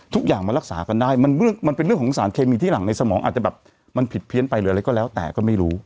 ทุกอย่างมันรักษากันได้มันเป็นเรื่องของสารเคมีที่หลังในสมองอาจจะแบบมันผิดเพี้ยนไปหรืออะไรก็แล้วแต่ก็ไม่รู้